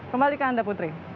kembalikan anda putri